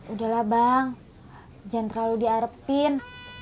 udahlah bang jangan terlalu diarepin